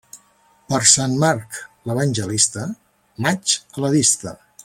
Per Sant Marc l'evangelista, maig a la vista.